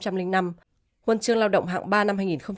huân chương lao động hạng ba năm hai nghìn một mươi một